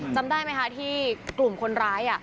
จำได้ไหมคะที่กลุ่มคนร้าย